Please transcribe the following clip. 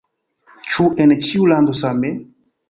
Ĉu en ĉiu lando same?